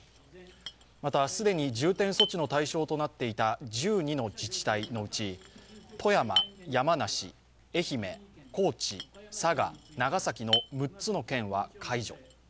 また既に重点措置の対象となっていた１２の自治体のうち富山、山梨、愛媛、高知、佐賀長崎の６つの県は解除。